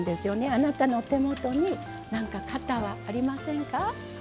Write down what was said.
あなたの手元になんか型はありませんか？